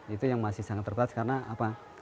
itu yang masih sangat terbatas karena apa